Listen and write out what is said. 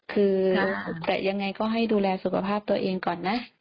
คือแต่ยังไงก็ให้ดูแลสุขภาพตัวเองก่อนนะ